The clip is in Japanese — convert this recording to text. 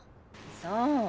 そう。